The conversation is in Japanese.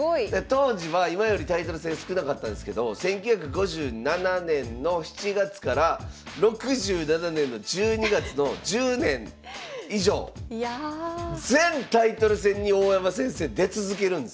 当時は今よりタイトル戦少なかったですけど１９５７年の７月から６７年の１２月の１０年以上全タイトル戦に大山先生出続けるんです。